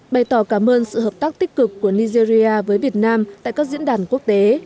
bày tỏ cảm ơn sự hợp tác tích cực của nigeria với việt nam tại các diễn đàn quốc tế